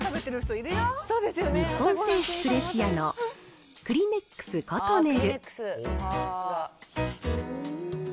日本製紙クレシアのクリネックスコトネル。